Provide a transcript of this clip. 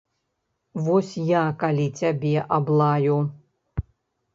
Вось я калі цябе аблаю.